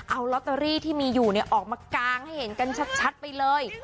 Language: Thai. เอาลอตเตอรี่ที่มีอยู่ออกมากางให้เห็นกันชัดไปเลย